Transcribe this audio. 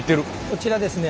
こちらですね